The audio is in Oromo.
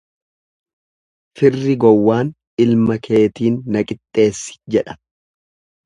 Firri gowwaan ilma keetiin na qixxeessi jedha.